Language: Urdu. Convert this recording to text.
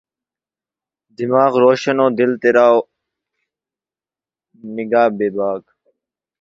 دماغ روشن و دل تیرہ و نگہ بیباک